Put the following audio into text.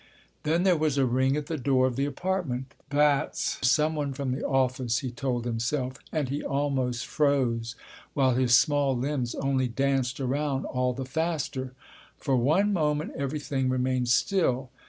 Then there was a ring at the door of the apartment. "That's someone from the office," he told himself, and he almost froze while his small limbs only danced around all the faster. For one moment everything remained still.